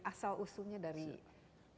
asal usulnya dari mana saja